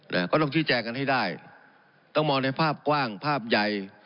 นะก็ต้องชี้แจงกันให้ได้ต้องมองในภาพกว้างภาพใหญ่